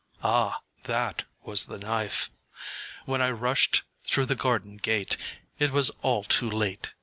â (Ah, that was the knife!) When I rushed through the garden gate It was all too late.